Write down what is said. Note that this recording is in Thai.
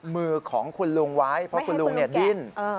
มือของคุณลุงไว้เพราะคุณลุงดิ้น